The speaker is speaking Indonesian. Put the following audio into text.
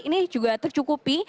ini juga tercukupi